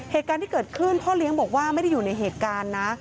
เหตุการณ์ที่เกิดขึ้นพ่อเลี้ยงบอกว่าไม่ได้อยู่ในเหตุการณ์นะ